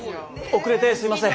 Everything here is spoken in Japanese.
遅れてすいません！